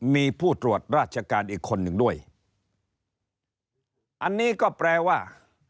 มีผู้ตรวจราชการอีกคนหนึ่งด้วยอันนี้ก็แปลว่า